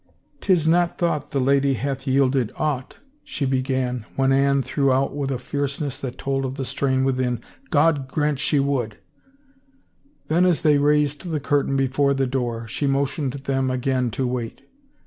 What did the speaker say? " 'Tis not thought the lady hath yielded 23 307 THE FAVOR OF KINGS aught/' she began, when Anne threw out with a fierceness that told of the strain within, " God grant she would I " Then as they raised the curtain before the door, she motioned them again to wait.